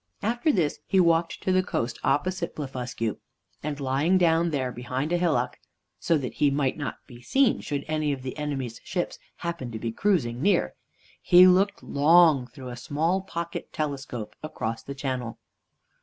After this he walked to the coast opposite Blefuscu, and lying down there behind a hillock, so that he might not be seen should any of the enemy's ships happen to be cruising near, he looked long through a small pocket telescope across the channel.